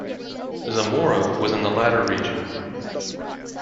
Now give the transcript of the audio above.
Zamora was in the latter region.